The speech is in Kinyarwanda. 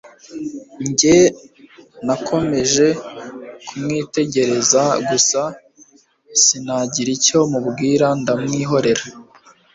njye nakomeje kumwitegereza gusa sinagira icyo mubwira ndamwihorera